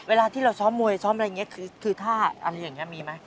เวลาที่เราซ้อมมวยซ้อมอะไรอย่างนี้คือถ้าอะไรอย่างนี้มีไหม